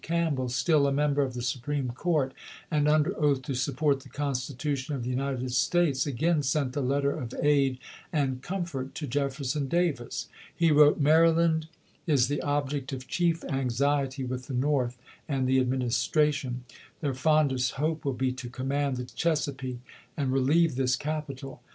Campbell, still a member of the Supreme Court and under oath to support the Constitution of the United States, again sent a letter of aid and comfort to Jefferson Davis. He wrote : Maryland is the object of chief anxiety with the North and the Administration. Theh fondest hope will be to command the Chesapeake and relieve this capital.